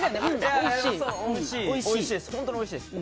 本当においしいです。